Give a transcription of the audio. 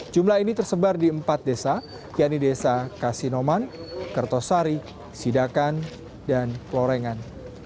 jumlah ini tersebar di empat desa yaitu desa kasinoman kertosari sidakan dan klorengan